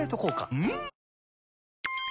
うん！